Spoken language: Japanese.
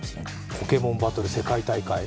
ポケモンバトル世界大会